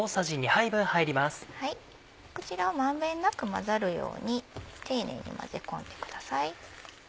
こちらを満遍なく混ざるように丁寧に混ぜ込んでください。